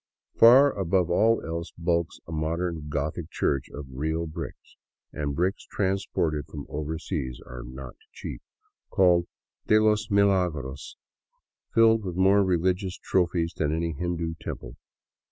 Far above all else bulks a modern Gothic church of real bricks — and bricks transported from overseas are not cheap — called " De los Milagros," filled with more religious trophies than any Hindu temple.